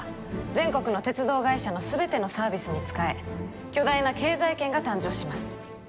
全国の鉄道会社の全てのサービスに使え巨大な経済圏が誕生します